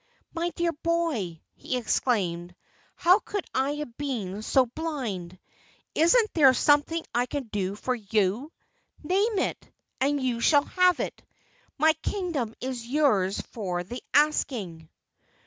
"My dear boy," he exclaimed, "how could I have been so blind? Isn't there something I can do for you? Name it, and you shall have it! My Kingdom is yours for the asking!"